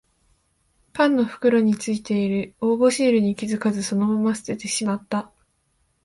パンの袋についてる応募シールに気づかずそのまま捨ててしまった